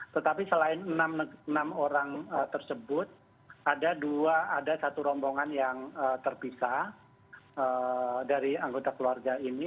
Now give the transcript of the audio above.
tetapi selain enam orang tersebut ada satu rombongan yang terpisah dari anggota keluarga ini